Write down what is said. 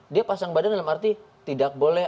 dia pasang badan dalam arti tidak boleh